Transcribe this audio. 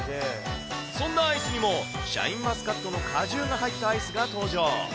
そんなアイスにも、シャインマスカットの果汁が入ったアイスが登場。